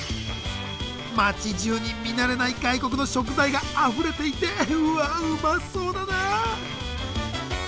街じゅうに見慣れない外国の食材があふれていてうわうまそうだなあ。